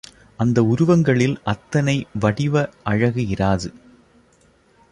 அந்த உருவங்களில் அத்தனை வடிவ அழகு இராது.